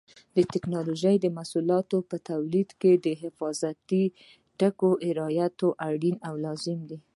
د ټېکنالوجۍ محصولاتو په تولید کې د حفاظتي ټکو رعایت اړین او لازمي دی.